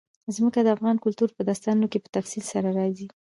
ځمکه د افغان کلتور په داستانونو کې په تفصیل سره راځي.